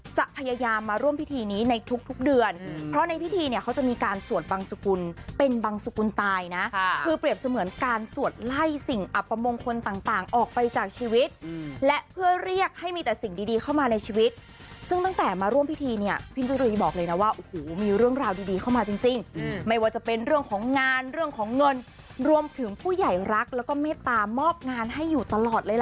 จะพยายามมาร่วมพิธีนี้ในทุกเดือนเพราะในพิธีเนี่ยเขาจะมีการสวดบางสกุลเป็นบางสกุลตายนะค่ะคือเปรียบเสมือนการสวดไล่สิ่งอัปมงคลต่างออกไปจากชีวิตและเพื่อเรียกให้มีแต่สิ่งดีเข้ามาในชีวิตซึ่งตั้งแต่มาร่วมพิธีเนี่ยพิธีบอกเลยนะว่ามีเรื่องราวดีเข้ามาจริงไม่ว่าจะเป